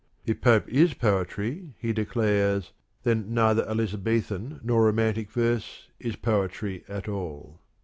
If Pope is poetry, he declares, then neither Elizabethan nor Romantic verse is poetry at all.